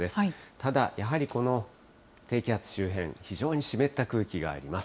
ただ、やはりこの低気圧周辺、非常に湿った空気があります。